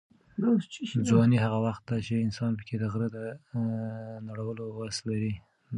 ځواني هغه وخت ده چې انسان پکې د غره د نړولو وس لري.